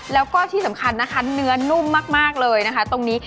แล้วก็ที่สำคัญนะคะเนื้อนุ่มมากเลยนะคะตรงนี้